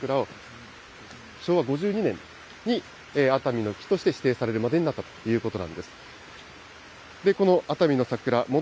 桜は、昭和５２年に熱海の木として指定されるまでになったということなんです。